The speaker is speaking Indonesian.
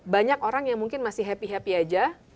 banyak orang yang mungkin masih happy happy aja